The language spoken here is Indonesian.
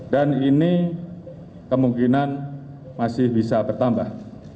dan ini kemungkinan masih bisa bertambah